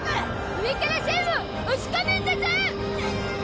上から栓を押し込むんだゾ！